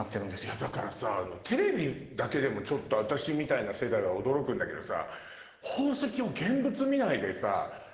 いやだからさテレビだけでもちょっと私みたいな世代は驚くんだけどさね